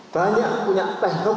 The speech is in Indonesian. banyak punya teknoprat yang mumpuni